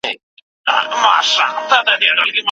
تاسو د خپلو ورېښتانو په مینځلو بوخت یاست.